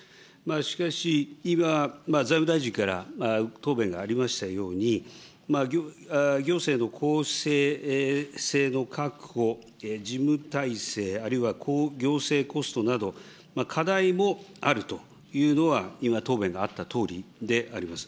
しかし、今、財務大臣から答弁がありましたように、行政の公正性の確保、事務体制、あるいは行政コストなど、課題もあるというのは今、答弁があったとおりであります。